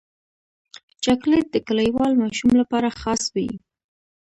چاکلېټ د کلیوال ماشوم لپاره خاص وي.